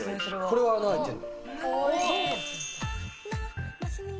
これは穴開いてる。